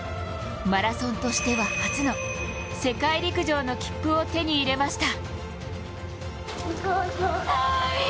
マラソンとしては初の世界陸上の切符を手に入れました。